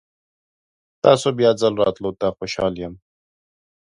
تاسو بیا ځل راتلو ته خوشحال یم.